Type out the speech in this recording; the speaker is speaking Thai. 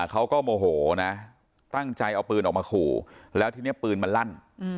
เขาก็โมโหนะตั้งใจเอาปืนออกมาขู่แล้วทีนี้ปืนมันลั่น